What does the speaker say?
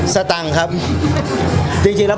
สตางค์ครับ